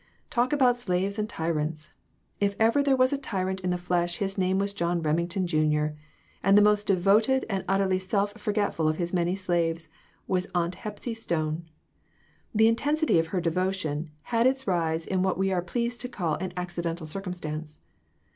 Talk about slaves and tyrants ! If ever there was a tyrant in the flesh his name was John Remington, junior; and the most devoted and utterly self forgetful of his many slaves was Aunt Hepsy Stone. The intensity of her devotion had its rise in what we are p] eased to call an accidental circumstance.